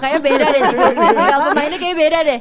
kayak aku mainnya kayak beda deh